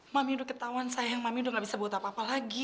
mami udah ketahuan sayang mami udah nggak bisa buat apa apa lagi